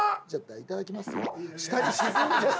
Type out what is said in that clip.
いただきますよ。